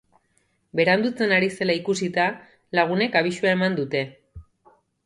Berandutzen ari zela ikusita, lagunek abisua eman dute.